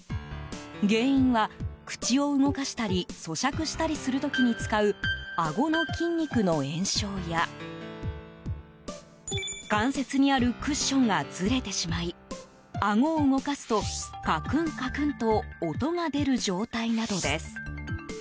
原因は、口を動かしたりそしゃくしたりする時に使うあごの筋肉の炎症や関節にあるクッションがずれてしまいあごを動かすと、カクンカクンと音が出る状態などです。